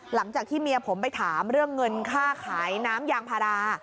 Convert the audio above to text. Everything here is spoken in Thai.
หลังจากที่เมียผมไปถามเรื่องเงินค่าขายน้ำยางพารา